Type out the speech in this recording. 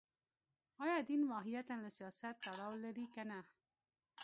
ایا دین ماهیتاً له سیاست تړاو لري که نه